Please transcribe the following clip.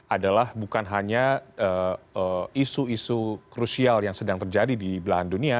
adalah bukan hanya isu isu krusial yang sedang terjadi di belahan dunia